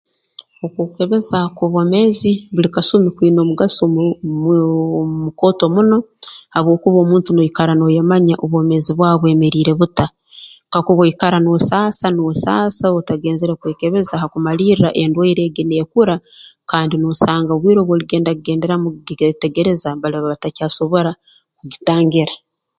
Okwekebeza kw'obwomeezi buli kasumi kwine omugaso mu muuu mukooto muno habwokuba omuntu noikara nooyemanya obwomeezi bwawe bwemeriire buta kakuba oikara noosaasa noosaasa otagenzere kwekebeza hakumalirra endwaire egi neekura kandi noosanga obwire obu oligenda kugenderamu kugi kugyetegereza baliba batakyasobora kugitangira